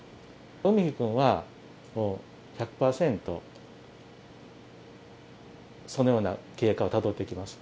海陽くんは、１００％そのような経過をたどっていきます。